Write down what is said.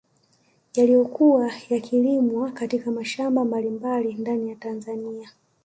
Yaliyokuwa yakilimwa katika mashamba mbalimbali ndani ya Tanzania